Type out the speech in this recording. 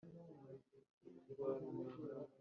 Congo-Nile Trail